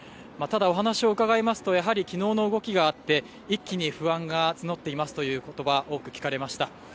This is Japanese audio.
ただお話を伺いますとやはり昨日の動きがあって、一気に不安が募っていますという言葉が多く聞かれました。